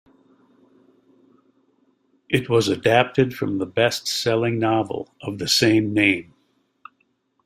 It was adapted from the bestselling novel of the same name.